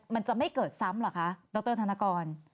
มันจะไม่เกิดซ้ำเหรอคะดรธนกร